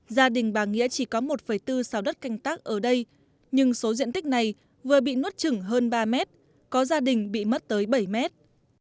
gia đình bà nghĩa chỉ có một bốn xào đất canh tác ở đây nhưng số diện tích này vừa bị nuốt trừng hơn ba mét có gia đình bị mất tới bảy mét